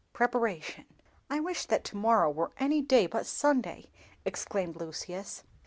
Preparation. "I WISH that to morrow were any day but Sunday!" exclaimed Lucius.